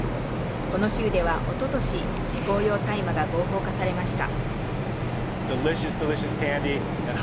この州では、おととししこう用大麻が合法化されました。